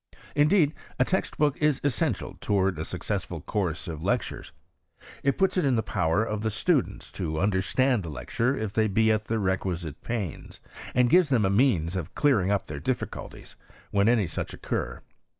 Indeed, a text book is essential towards a successful course of lectures : it puts it in the power of the students to understand the lecture if they be at the requisite pains ; and gives thm a means of clearing up their difficuUies, wiien any such occur.